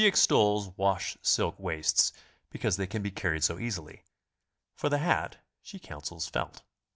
extols wash silk waists because they can be carried so easily. For tihe hat she counsels felt.